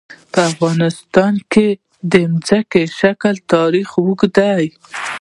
په افغانستان کې د ځمکنی شکل تاریخ اوږد دی.